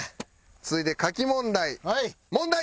続いて書き問題。